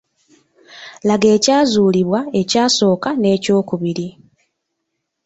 Laga ekyazuulibwa ekyasooka n’ekyokubiri